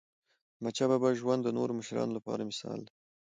داحمدشاه بابا ژوند د نورو مشرانو لپاره مثال دی.